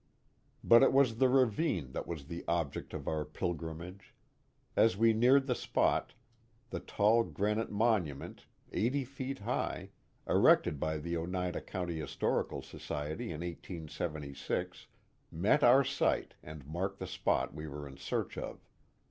But it was the ravine that was the object of our pilgrim age. As we neared the spot, the tall granite monument, eighty feet high, erected by the Oneida County Historical Society in 1876, met our sight and marked the spot we were in search of.